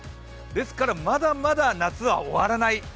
ですからまだまだ夏は終わらない。